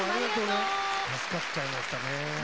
助かっちゃいましたね。